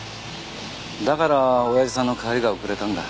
だから親父さんの帰りが遅れたんだ。